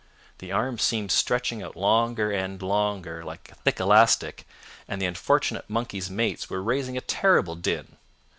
The arm seemed stretching out longer end longer like a thick elastic, and the unfortunate monkey's mates were raising a terrible din.